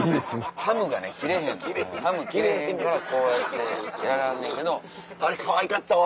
ハムが切れへんの切れへんからこうやってやらはんねんけど。あれかわいかったわ。